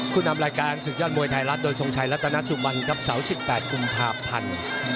คู่นำรายการศึกยอดมวยไทยรัฐโดยสงชัยรัตนาจุมันกับเสา๑๘กุมภาพพันธ์